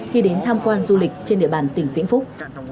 khi đến tham quan du lịch trên địa bàn tỉnh vĩnh phúc